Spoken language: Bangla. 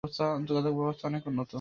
যোগাযোগ ব্যবস্থা অনেক উন্নত।